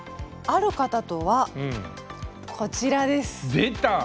ある方とはこちらです。